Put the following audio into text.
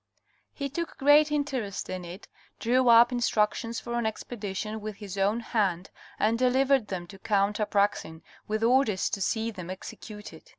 He took great interest in it, drew up instructions for an expedition with his own hand and delivered them to Count Apraxin with orders to see them executed.